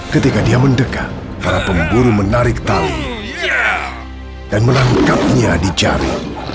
ketika dia mendekat para pemburu menarik tali dan menangkapnya di jari